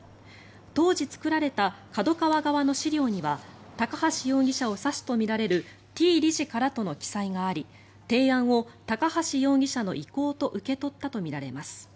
当時、作られたＫＡＤＯＫＡＷＡ側の資料には高橋容疑者を指すとみられるＴ理事からとの記載があり提案を高橋容疑者の意向と受け取ったとみられます。